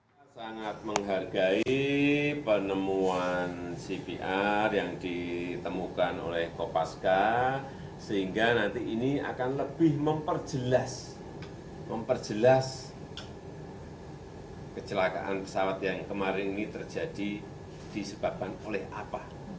saya sangat menghargai penemuan cpr yang ditemukan oleh kopaska sehingga nanti ini akan lebih memperjelas memperjelas kecelakaan pesawat yang kemarin ini terjadi disebabkan oleh apa